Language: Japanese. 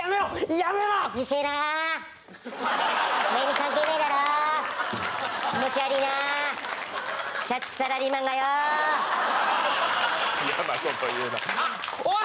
嫌なこと言うなおい！